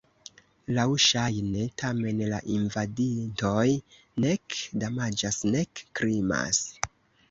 Laŭŝajne, tamen, la invadintoj nek damaĝas nek krimas.